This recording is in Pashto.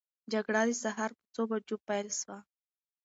جګړه د سهار په څو بجو پیل سوه؟